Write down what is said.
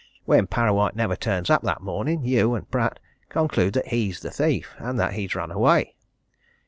When Parrawhite never turns up that morning, you and Pratt conclude that he's the thief, and that he's run away.